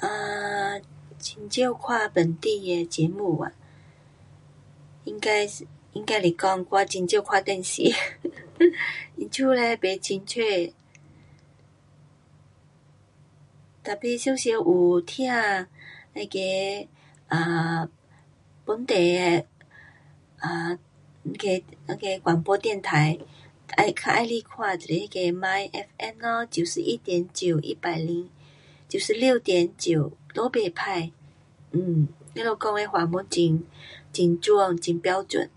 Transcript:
[um]很少看本地的节目哇，应该，应该是讲我很少看电视。 因此嘞不清楚tapi 常常有听那个[um]本地的[um]那个,那个广播电台，要，较喜欢看就是那个myFM咯，九十一点九，一百零，九十六点九，都不错。[um]他们讲的华语很，很准，很标准。